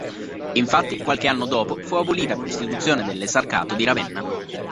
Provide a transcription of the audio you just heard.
Infatti qualche anno dopo fu abolita con l'istituzione dell'Esarcato di Ravenna.